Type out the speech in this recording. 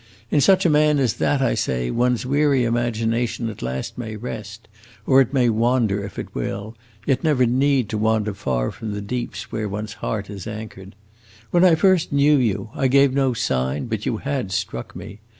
In such a man as that, I say, one's weary imagination at last may rest; or it may wander if it will, yet never need to wander far from the deeps where one's heart is anchored. When I first knew you, I gave no sign, but you had struck me.